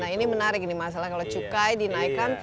nah ini menarik ini masalah kalau cukai dinaikkan